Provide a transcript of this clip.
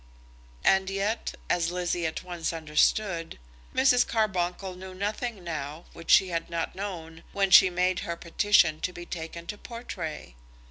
And yet, as Lizzie at once understood, Mrs. Carbuncle knew nothing now which she had not known when she made her petition to be taken to Portray.